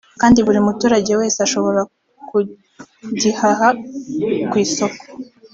kandi buri muturage wese ashobora ku gihaha ku isoko